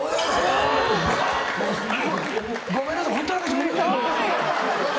ごめんなさい。